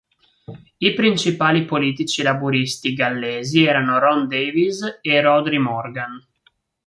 I principali politici laburisti gallesi erano Ron Davies e Rhodri Morgan.